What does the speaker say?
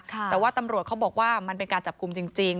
แต่ว่าตำรวจเขาบอกว่ามันเป็นการจับกลุ่มจริง